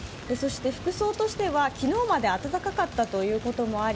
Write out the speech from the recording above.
服装としては昨日まで暖かかったということもあり